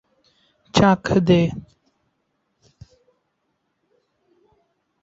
চাক দে!